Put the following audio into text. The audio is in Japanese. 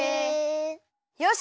よし！